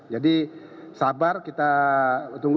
jadi sabar kita tunggu